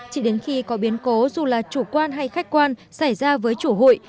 chỉ đến khi có biến cố dù là chủ quan hay khách quan xảy ra với chủ hụi